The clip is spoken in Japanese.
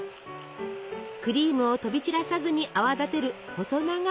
クリームを飛び散らさずに泡立てる細長い容器。